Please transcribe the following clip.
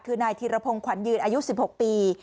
คือนายธีรพงศ์ขวัญยืนอายุ๑๖ปี